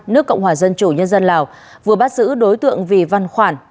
nước cộng hòa dân chủ nhân dân lào vừa bắt giữ đối tượng vì văn khoản